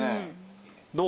どう？